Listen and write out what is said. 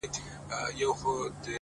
پرمختګ له روښانه موخو ځواک اخلي